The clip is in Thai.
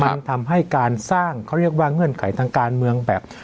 มันทำให้การสร้างเขาเรียกว่าเงื่อนไขทางการเมืองแบบ